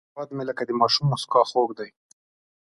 هیواد مې لکه د ماشوم موسکا خوږ دی